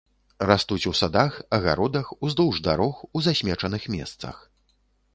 Растуць у садах, агародах, уздоўж дарог, у засмечаных месцах.